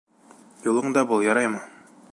Юлыңда бул, яраймы?